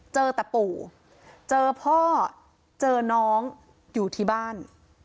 เจอแต่ปู่เจอพ่อเจอน้องอยู่ที่บ้าน